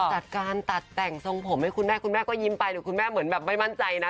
จัดการตัดแต่งทรงผมให้คุณแม่คุณแม่ก็ยิ้มไปหรือคุณแม่เหมือนแบบไม่มั่นใจนะ